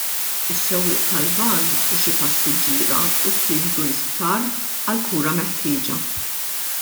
Is-sewwieq tal-vann u xi passiġġiera ttieħdu l-isptar għall-kura meħtieġa.